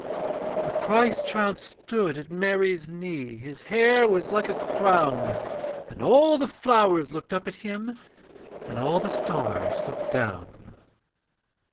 The Christ child stood at Mary's knee, His hair was like a crown, And all the flowers looked up at him. And all the stars looked down.